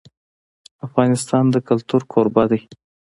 افغانستان د کلتور کوربه دی.